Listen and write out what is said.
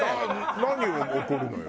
何を怒るのよ？